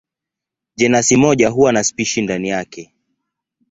Jenasi moja huwa na spishi ndani yake.